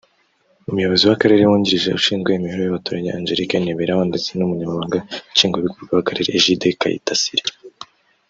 umuyobozi w’Akarere wungirije ushinzwe imibereho y’abaturage Angelique Nireberaho ndetse n’Umunyamabanga Nshingwabikorwa w’Akarere Egide Kayitasire